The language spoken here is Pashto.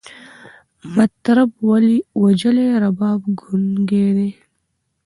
مطرب وژلی، رباب ګونګی دی